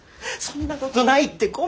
そんなことないって。